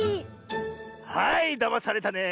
はいだまされたね。